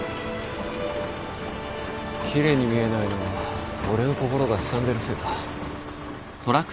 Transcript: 奇麗に見えないのは俺の心がすさんでるせいか？